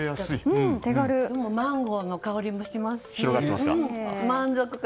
マンゴーの香りもしますし満足感。